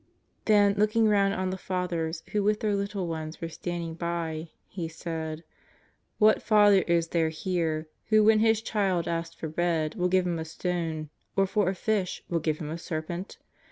Then, looking round on the fathers who with their little ones were standing by. He said: ^^ What father is there here who when his child asks for bread will give him a stone, or for a fish will give him a serpent?